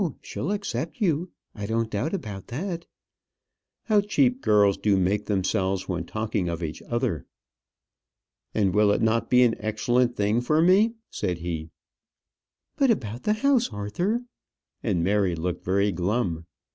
she'll accept you. I don't doubt about that." How cheap girls do make themselves when talking of each other! "And will it not be an excellent thing for me?" said he. "But about the house, Arthur!" And Mary looked very glum.